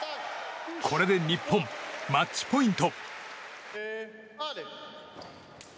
これで日本、マッチポイント。